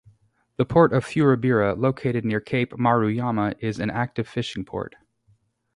The Port of Furubira, located near Cape Maruyama, is an active fishing port.